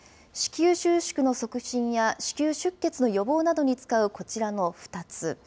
子宮収縮の促進や子宮出血の予防などに使うこちらの２つ。